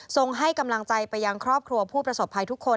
ส่งให้กำลังใจไปยังครอบครัวผู้ประสบภัยทุกคน